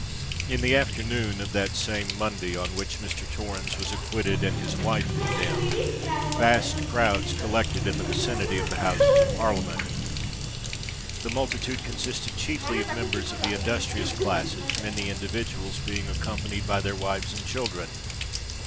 In the afternoon of that same Monday on which Mr. Torrens was acquitted and his wife condemned, vast crowds collected in the vicinity of the Houses of Parliament. The multitude consisted chiefly of members of the industrious classes, many individuals being accompanied by their wives and children.